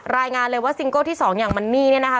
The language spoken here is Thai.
รายงานเลยว่าซิงเกิลที่๒อย่างมันนี่เนี่ยนะคะ